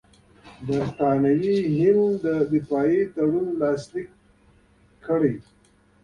برټانوي هند دې دفاعي تړون لاسلیک کړي.